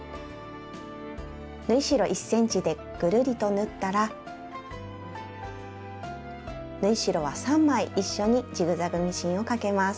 縫い代１ｃｍでぐるりと縫ったら縫い代は３枚一緒にジグザグミシンをかけます。